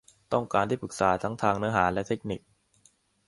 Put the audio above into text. ต้องการที่ปรึกษาทั้งทางเนื้อหาและเทคนิค